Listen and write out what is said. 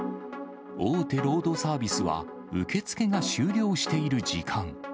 大手ロードサービスは受け付けが終了している時間。